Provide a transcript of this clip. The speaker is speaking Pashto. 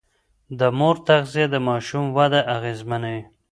د مور تغذيه د ماشوم وده اغېزمنوي.